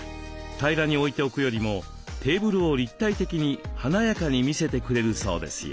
平らに置いておくよりもテーブルを立体的に華やかに見せてくれるそうですよ。